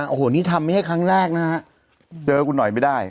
โอ้โหนี่ทำไม่ใช่ครั้งแรกนะฮะเจอคุณหน่อยไม่ได้